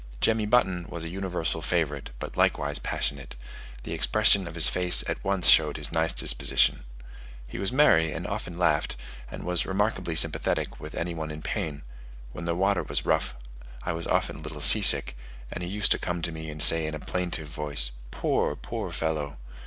Jemmy Button was a universal favourite, but likewise passionate; the expression of his face at once showed his nice disposition. He was merry and often laughed, and was remarkably sympathetic with any one in pain: when the water was rough, I was often a little sea sick, and he used to come to me and say in a plaintive voice, "Poor, poor fellow!"